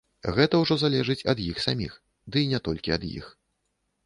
Гэта ўжо залежыць ад іх саміх, ды і не толькі ад іх.